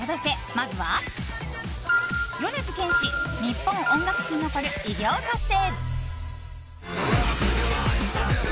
まずは、米津玄師日本音楽史に残る偉業達成。